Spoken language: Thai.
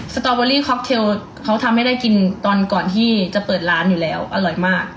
สตอเบอรี่ค็อกเทลเขาทำให้ได้กินตอนก่อนที่จะเปิดร้านอยู่แล้วอร่อยมาก